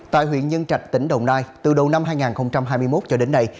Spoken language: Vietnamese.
tại huyện nhân trạch tỉnh đồng nai từ đầu năm hai nghìn hai mươi một cho đến nay